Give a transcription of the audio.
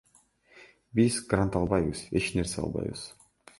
Биз грант албайбыз, эч нерсе албайбыз.